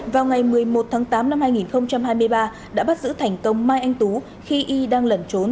vào ngày một mươi một tháng tám năm hai nghìn hai mươi ba đã bắt giữ thành công mai anh tú khi y đang lẩn trốn